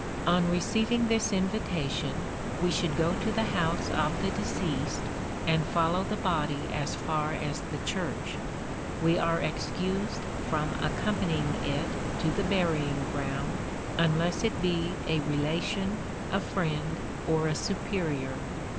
On receiving this invitation, we should go to the house of the deceased, and follow the body as far as the church. We are excused from accompanying it to the burying ground, unless it be a relation, a friend, or a superior.